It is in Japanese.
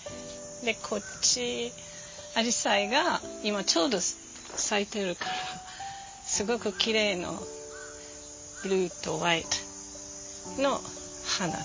こっちアジサイが今ちょうど咲いてるからすごくきれいのブルーとホワイトの花。